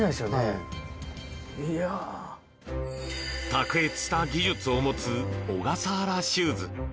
卓越した技術を持つ小笠原シューズ。